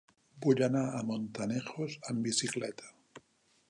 Vull anar a Montanejos amb bicicleta.